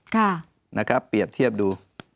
ค่ะนะครับเปรียบเทียบดู